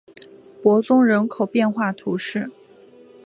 伯宗人口变化图示